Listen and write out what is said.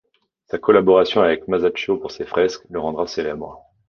Sa collaboration avec Masaccio pour ces fresques le rendra célèbre.